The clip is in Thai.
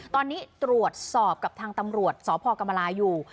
ตอนนี้ตรวจสอบกับทางตำรวจสพกรรมลาอยู่